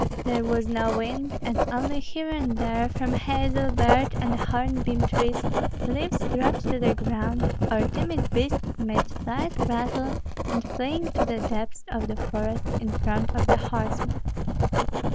There was no wind, and only here and there, from hazel, birch, and hornbeam trees leaves dropped to the ground, or timid beasts made slight rustle in fleeing to the depths of the forest in front of the horsemen.